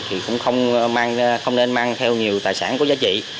thì cũng không nên mang theo nhiều tài sản có giá trị